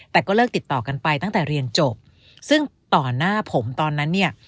แต่ก็เลิกติดต่อกันไปตั้งแต่เรียนจบซึ่งต่อหน้าผมตอนนั้นเนี่ย